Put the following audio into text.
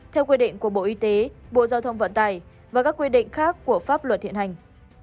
theo quy định của bộ y tế bộ giao thông vận tải và các quy định khác của pháp luật hiện hành